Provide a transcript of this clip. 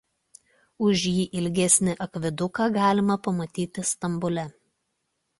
Už jį ilgesnį akveduką galima pamatyti Stambule.